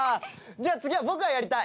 じゃ次は僕がやりたい。